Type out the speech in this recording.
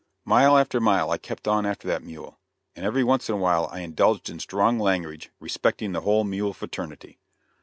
Mile after mile I kept on after that mule, and every once in a while I indulged in strong language respecting the whole mule fraternity.